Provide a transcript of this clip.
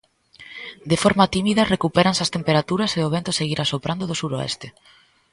De forma tímida recupéranse as temperaturas e o vento seguirá soprando do suroeste.